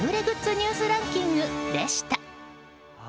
ニュースランキングでした。